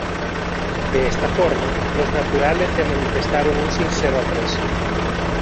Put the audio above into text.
De esta forma, los naturales le manifestaron un sincero aprecio.